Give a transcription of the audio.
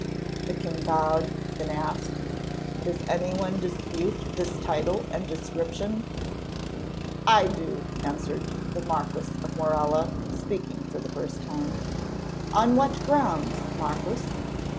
The king bowed, then asked: "Does any one dispute this title and description?" "I do," answered the Marquis of Morella, speaking for the first time. "On what grounds, Marquis?"